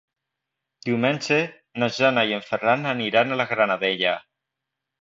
Diumenge na Jana i en Ferran aniran a la Granadella.